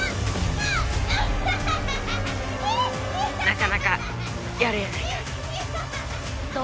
なかなかやるやないか。